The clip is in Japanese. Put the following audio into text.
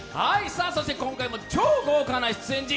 そして今回も超豪華な出演陣。